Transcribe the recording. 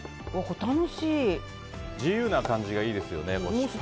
自由な感じがいいですよね。